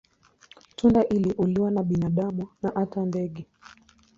Tunda hili huliwa na binadamu na hata ndege.